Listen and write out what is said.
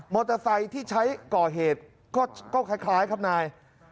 เตอร์ไซค์ที่ใช้ก่อเหตุก็คล้ายครับนาย